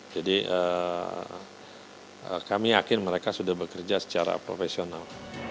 jadi kami yakin mereka sudah bekerja secara profesional